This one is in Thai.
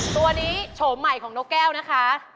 ตัวนี้โฉมใหม่ของนกแก้วนะคะ